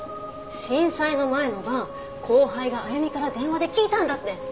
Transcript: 震災の前の晩後輩があゆみから電話で聞いたんだって。